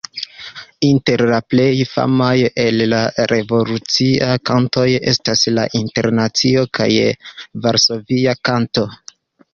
Inter la plej famaj el la revoluciaj kantoj estas La Internacio kaj Varsovia Kanto.